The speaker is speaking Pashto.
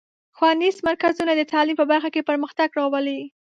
ښوونیز مرکزونه د تعلیم په برخه کې پرمختګ راولي.